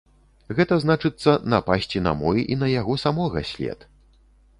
Гэта значыцца напасці на мой і на яго самога след.